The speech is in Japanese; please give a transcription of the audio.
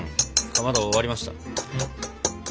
かまど終わりました。